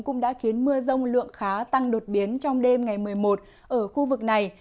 cũng đã khiến mưa rông lượng khá tăng đột biến trong đêm ngày một mươi một ở khu vực này